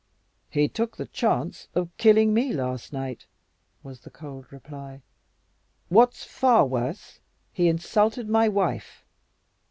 "He took the chance of killing me last night," was the cold reply. "What's far worse, he insulted my wife."